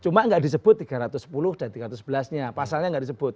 cuma nggak disebut tiga ratus sepuluh dan tiga ratus sebelas nya pasalnya nggak disebut